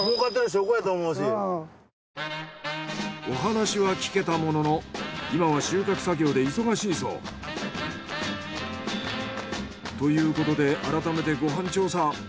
お話は聞けたものの今は収穫作業で忙しいそう。ということで改めてご飯調査。